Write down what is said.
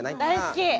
大好き！